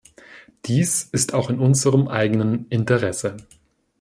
Dies ist auch in unserem eigenen Interesse.